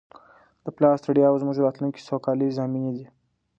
د پلار ستړیاوې زموږ د راتلونکي د سوکالۍ ضامنې دي.